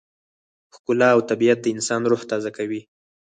ښکلا او طبیعت د انسان روح تازه کوي.